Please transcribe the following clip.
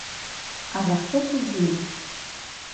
А за што судзілі?